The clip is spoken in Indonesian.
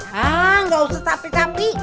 hah nggak usah tapi kami